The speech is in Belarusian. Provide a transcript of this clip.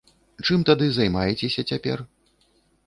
Чым тады займаецеся цяпер?